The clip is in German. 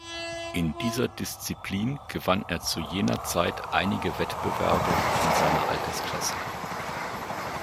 In dieser Disziplin gewann er zu jener Zeit einige Wettbewerbe in seiner Altersklasse.